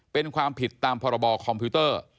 เป็นความผิดตามพรบคอมพิวเตอร์